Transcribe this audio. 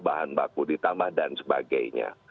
bahan baku ditambah dan sebagainya